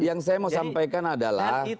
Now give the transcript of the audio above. yang saya mau sampaikan adalah